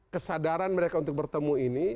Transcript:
kesadaran mereka untuk bertemu ini